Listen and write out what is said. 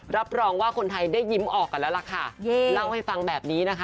รับรองว่าคนไทยได้ยิ้มออกกันแล้วล่ะค่ะเล่าให้ฟังแบบนี้นะคะ